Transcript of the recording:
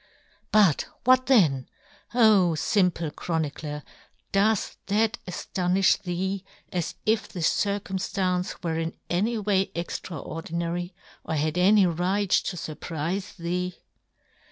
But what yohn Gutenberg. ys then ! O, fimple chronicler, does that aftonifli thee, as if the circum ftance were in any way extraordinary, or had any right to furprife thee